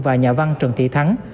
và nhà văn trần thị thắng